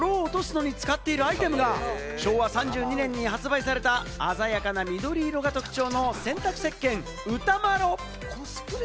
この泥を落とすのに使っているアイテムが昭和３２年に発売された鮮やかな緑色が特徴の洗濯石けん・ウタマロ。